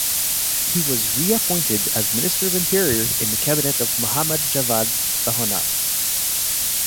He was reappointed as minister of interior in the cabinet of Mohammad-Javad Bahonar.